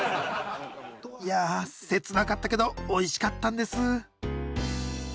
いや切なかったけどおいしかったんです